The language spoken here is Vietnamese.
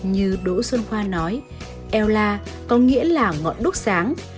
như đỗ xuân khoa nói ella có nghĩa là ngọn đúc sáng